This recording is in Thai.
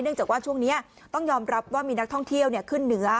จากว่าช่วงนี้ต้องยอมรับว่ามีนักท่องเที่ยวขึ้นเหนือ